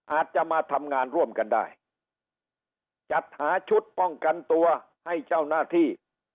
อาจจะมาทำงานร่วมกันได้จัดหาชุดป้องกันตัวให้เจ้าหน้าที่